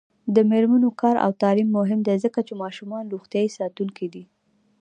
د میرمنو کار او تعلیم مهم دی ځکه چې ماشومانو روغتیا ساتونکی دی.